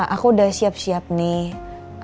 aku udah siap siap nih